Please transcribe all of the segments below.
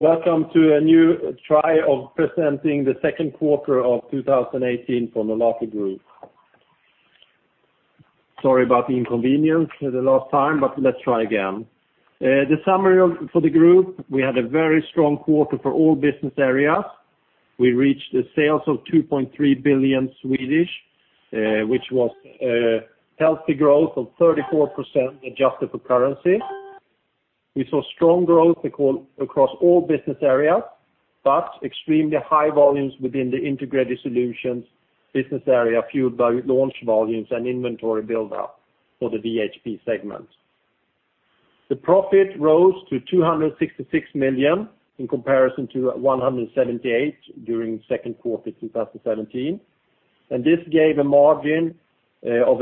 Welcome to a new try of presenting the second quarter of 2018 for Nolato Group. Sorry about the inconvenience the last time, let's try again. The summary for the group, we had a very strong quarter for all business areas. We reached the sales of 2.3 billion, which was a healthy growth of 34% adjusted for currency. We saw strong growth across all business areas, but extremely high volumes within the Integrated Solutions business area, fueled by launch volumes and inventory buildup for the VHP segment. The profit rose to 266 million in comparison to 178 million during second quarter 2017, this gave a margin of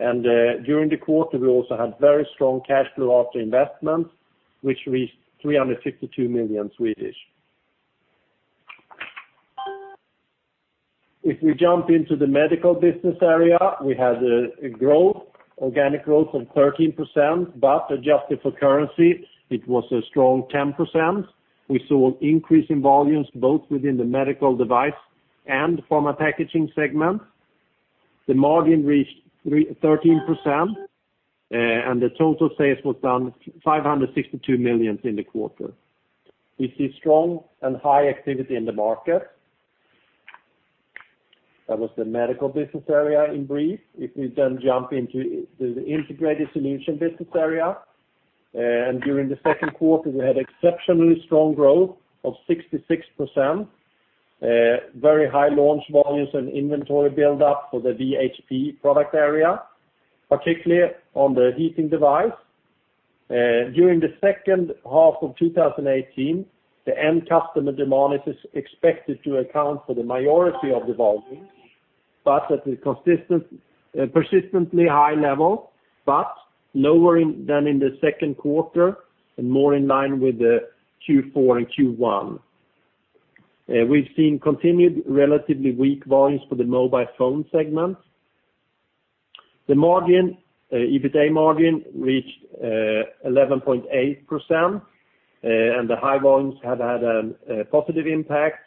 11.6%. During the quarter, we also had very strong cash flow after investments, which reached 352 million. We jump into the medical business area, we had an organic growth of 13%, adjusted for currency, it was a strong 10%. We saw increasing volumes both within the medical device and pharma packaging segment. The margin reached 13%, the total sales was 562 million in the quarter. We see strong and high activity in the market. That was the medical business area in brief. We then jump into the Integrated Solution business area, during the second quarter, we had exceptionally strong growth of 66%. Very high launch volumes and inventory buildup for the VHP product area, particularly on the heating device. During the second half of 2018, the end customer demand is expected to account for the majority of the volumes, at a persistently high level, lower than in the second quarter and more in line with the Q4 and Q1. We've seen continued relatively weak volumes for the mobile phone segment. The EBITA margin reached 11.8%, the high volumes have had a positive impact.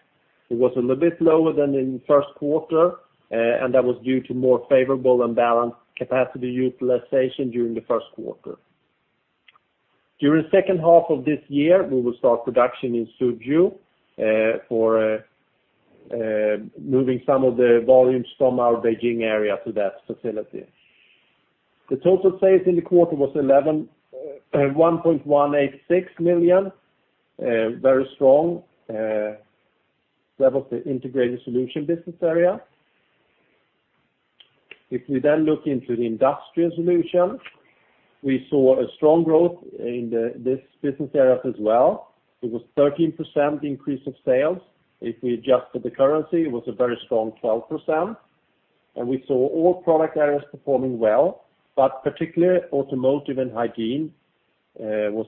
It was a little bit lower than in the first quarter, that was due to more favorable and balanced capacity utilization during the first quarter. During the second half of this year, we will start production in Suzhou for moving some of the volumes from our Beijing area to that facility. The total sales in the quarter was 1,186 million, very strong. That was the integrated solution business area. We then look into the Industrial Solution, we saw a strong growth in this business area as well. It was 13% increase of sales. We adjusted the currency, it was a very strong 12%, we saw all product areas performing well, particularly automotive and hygiene was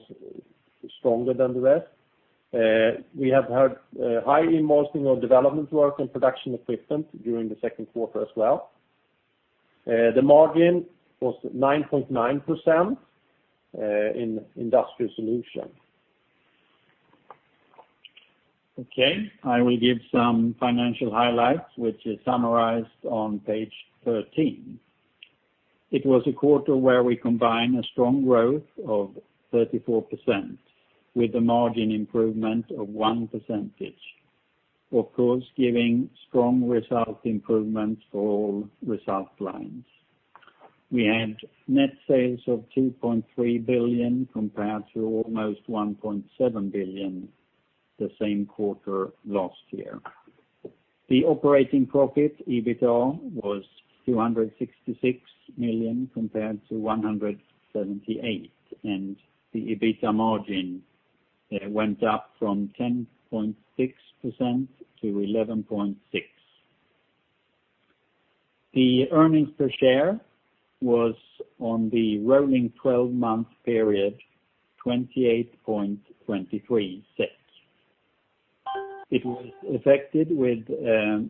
stronger than the rest. We have had high involvement in our development work and production equipment during the second quarter as well. The margin was 9.9% in Industrial Solution. Okay, I will give some financial highlights, which is summarized on page 13. It was a quarter where we combined a strong growth of 34% with a margin improvement of one percentage. Of course, giving strong result improvements for all result lines. We had net sales of 2.3 billion compared to almost 1.7 billion the same quarter last year. The operating profit, EBITA, was 266 million compared to 178 million, and the EBITA margin went up from 10.6% to 11.6%. The earnings per share was on the rolling 12-month period, 28.23. It was affected with a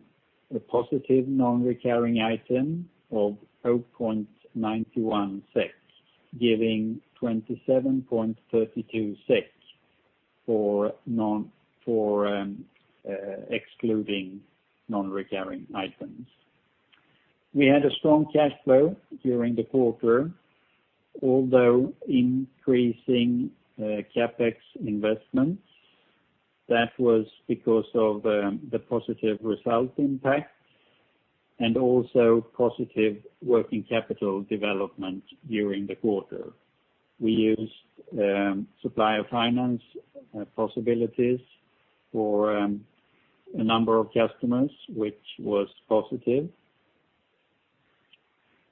positive non-recurring item of 0.91, giving 27.32 for excluding non-recurring items. We had a strong cash flow during the quarter, although increasing CapEx investments. That was because of the positive result impact and also positive working capital development during the quarter. We used supplier finance possibilities for a number of customers, which was positive.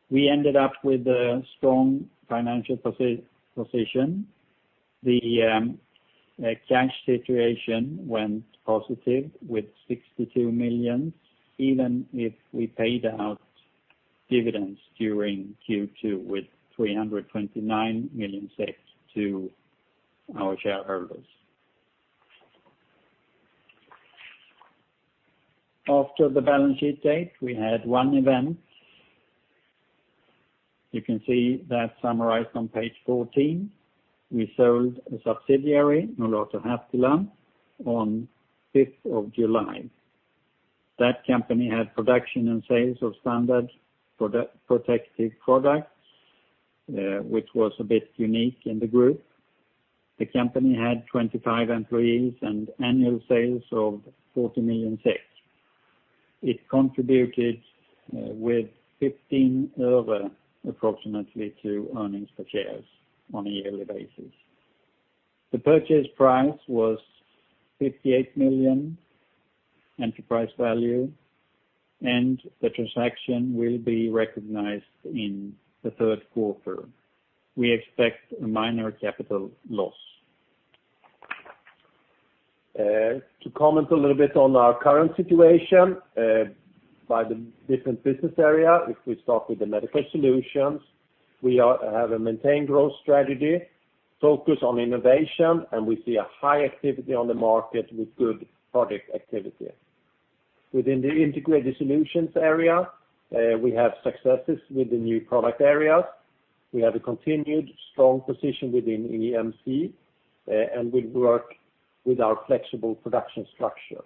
We ended up with a strong financial position. The cash situation went positive with 62 million, even if we paid out dividends during Q2 with 329 million to our shareholders. After the balance sheet date, we had one event. You can see that summarized on page 14. We sold a subsidiary, Nolato Hertila, on 5th of July. That company had production and sales of standard protective products, which was a bit unique in the group. The company had 25 employees and annual sales of 40 million. It contributed with SEK 0.15 approximately to earnings per shares on a yearly basis. The purchase price was 58 million enterprise value, and the transaction will be recognized in the third quarter. We expect a minor capital loss. To comment a little bit on our current situation by the different business area, if we start with the Medical Solutions, we have a maintain growth strategy, focus on innovation, and we see a high activity on the market with good product activity. Within the Integrated Solutions area, we have successes with the new product areas. We have a continued strong position within EMC, and we work with our flexible production structure.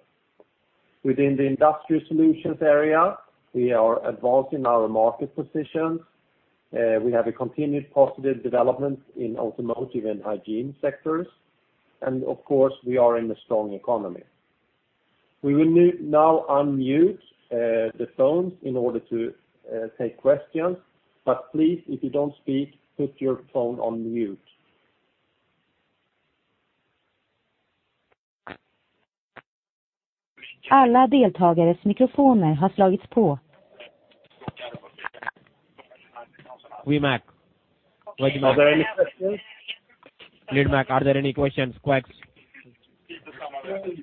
Within the Industrial Solutions area, we are advancing our market positions. We have a continued positive development in automotive and hygiene sectors. Of course, we are in a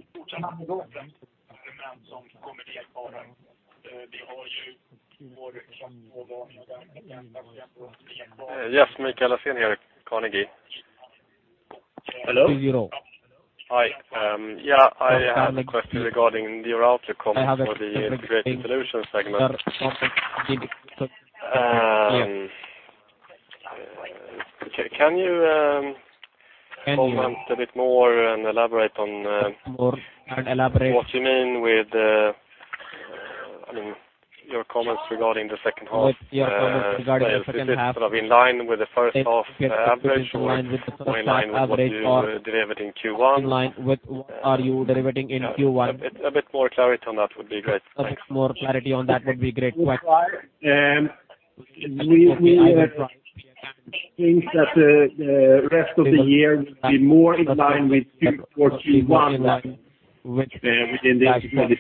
strong economy. We will now unmute the phones in order to take questions, please, if you don't speak, put your phone on mute. All participants' microphones have been activated. Lead-Mark. Are there any questions? Lead-Mark, are there any questions? Yes, Mikael Låsen here, Carnegie. Hello? Hi. I have a question regarding your outlook comments for the integrated solutions segment. Can you comment a bit more and elaborate on what you mean with your comments regarding the second half sales? Is this in line with the first half average or in line with what you delivered in Q1? A bit more clarity on that would be great. Thanks. We think that the rest of the year will be more in line with Q4, Q1 within the integrated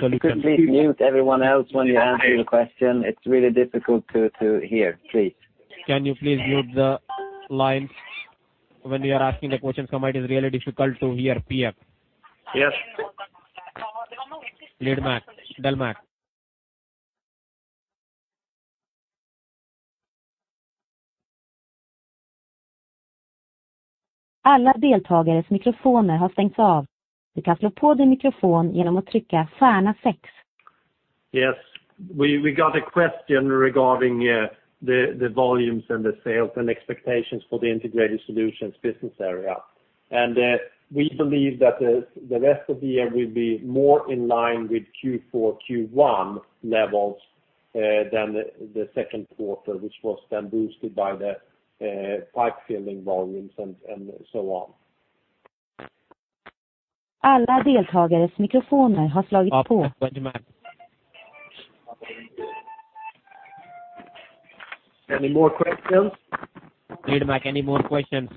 solutions. Could we mute everyone else when you answer the question? It's really difficult to hear, please. Can you please mute the lines when we are asking the questions? For me, it is really difficult to hear, PM. Yes. Lead Mark. Lead-Mark. All participants' microphones have been deactivated. You can activate your microphone by pressing star six. Yes. We got a question regarding the volumes and the sales and expectations for the integrated solutions business area. We believe that the rest of the year will be more in line with Q4, Q1 levels than the second quarter, which was then boosted by the pipe filling volumes and so on. All participants' microphones have been activated. Any more questions? Lead Mac, any more questions?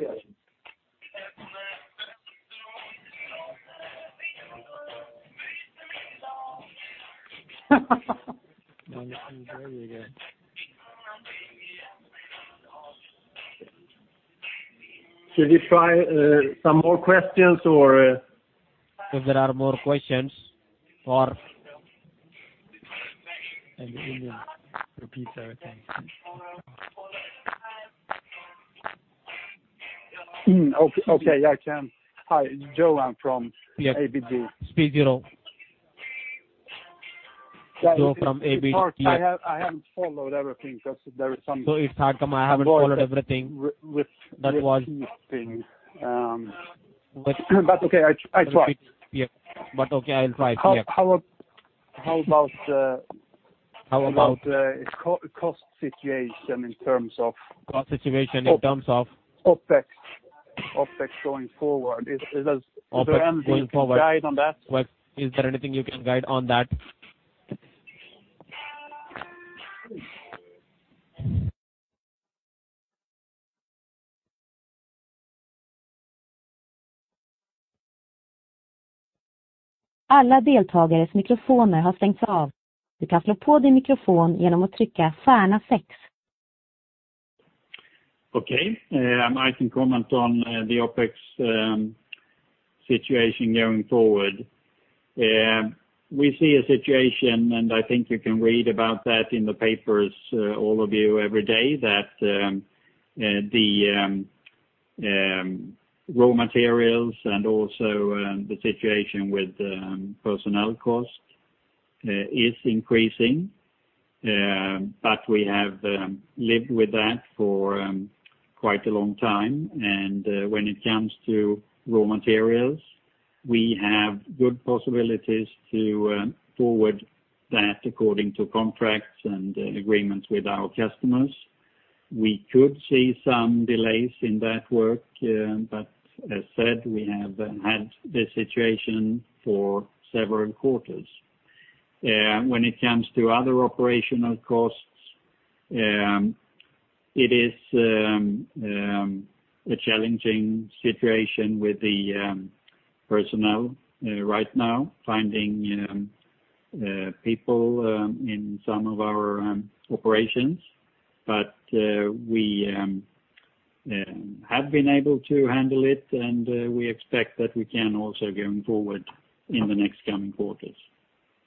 Should we try some more questions or? If there are more questions? Okay, I can. Hi, Johan from ABG. Johan from ABG. I haven't followed everything because there is. It's hard. I haven't followed everything. That was thing. Okay, I try. Okay, I'll try. Yeah. How about the cost situation? Cost situation in terms of? OpEx going forward, is there anything you can guide on that? All participants' microphones have been deactivated. You can activate your microphone by pressing star six. Okay. I can comment on the OpEx situation going forward. We see a situation, and I think you can read about that in the papers, all of you every day, that the raw materials and also the situation with personnel cost is increasing, but we have lived with that for quite a long time. When it comes to raw materials, we have good possibilities to forward that according to contracts and agreements with our customers. We could see some delays in that work, but as said, we have had this situation for several quarters. When it comes to other operational costs, it is a challenging situation with the personnel right now, finding people in some of our operations. We have been able to handle it, and we expect that we can also going forward in the next coming quarters.